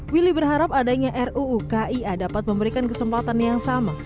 willy berharap adanya ruu kia dapat memberikan kesempatan yang sama